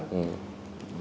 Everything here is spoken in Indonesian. dan sepertinya itu juga